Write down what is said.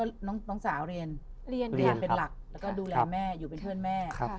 แล้วน้องสาวเรียนเรียนเป็นหลักแล้วก็ดูแลแม่อยู่เป็นเพื่อนแม่